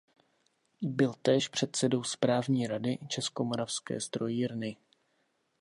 Byl též předsedou správní rady Českomoravské strojírny.